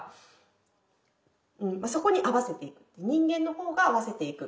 そこに合わせていく人間の方が合わせていく。